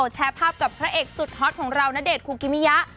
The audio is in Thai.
แชร์ภาพกับพระเอกสุดฮอตของเราณเดชนคุกิมิยะ